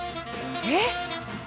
えっ？